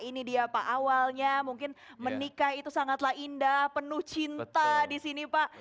ini dia pak awalnya mungkin menikah itu sangatlah indah penuh cinta di sini pak